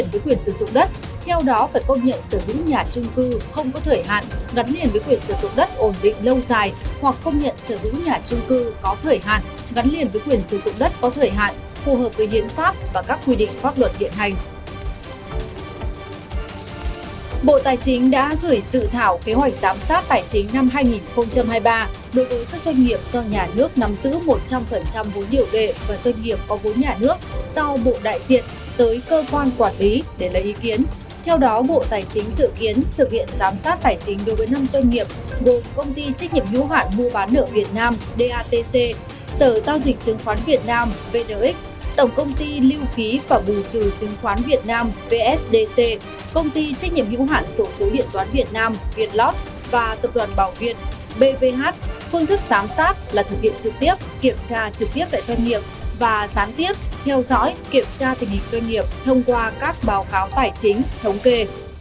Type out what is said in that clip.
phương thức giám sát là thực hiện trực tiếp kiểm tra trực tiếp về doanh nghiệp và gián tiếp theo dõi kiểm tra tình hình doanh nghiệp thông qua các báo cáo tài chính thống kê